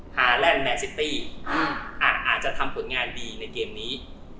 ฮาแลนด์แมนซิตี้อาจจะทำผลงานดีในเกมนี้